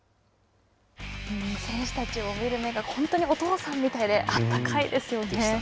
選手たちを見る目が本当にお父さんみたいで温かいですよね。